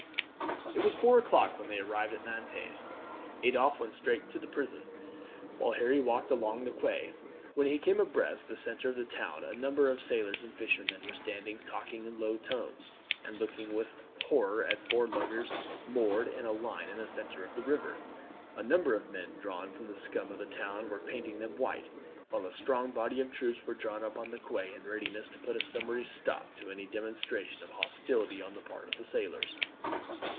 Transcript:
It was four o'clock when they arrived at Nantes. Adolphe went straight to the prison, while Harry walked along the quay. When he came abreast the centre of the town a number of sailors and fishermen were standing talking in low tones, and looking with horror at four luggers moored in a line in the centre of the river. A number of men drawn from the scum of the town were painting them white, while a strong body of troops were drawn up on the quay in readiness to put a summary stop to any demonstration of hostility on the part of the sailors.